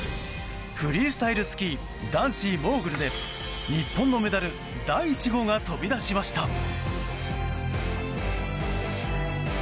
フリースタイルスキー男子モーグルで日本のメダル第１号が飛び出しました。